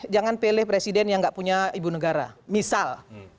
dua ribu sembilan belas jangan pilih presiden yang gak punya ibu negara misal